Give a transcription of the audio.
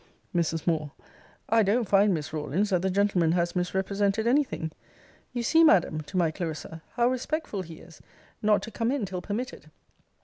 Mrs. Moore. I don't find, Miss Rawlins, that the gentleman has misrepresented any thing. You see, Madam, [to my Clarissa,] how respectful he is; not to come in till permitted.